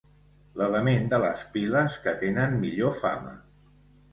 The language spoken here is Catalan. L'element de les piles que tenen millor fama.